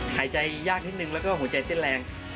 หายใจยากนิดนึงแล้วก็หัวใจเต้นแรง